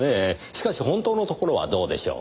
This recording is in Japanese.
しかし本当のところはどうでしょう？